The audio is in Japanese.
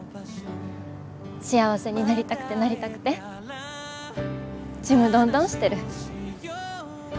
幸せになりたくてなりたくてちむどんどんしてる。